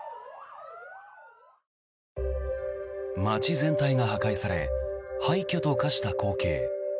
街全体が破壊され廃虚と化した光景。